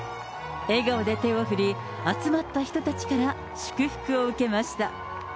笑顔で手を振り、集まった人たちから祝福を受けました。